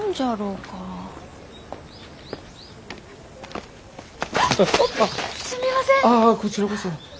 あっ！すみません。